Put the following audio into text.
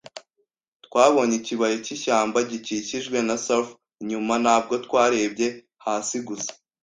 twabonye Ikibaya cy'ishyamba gikikijwe na surf; inyuma, ntabwo twarebye hasi gusa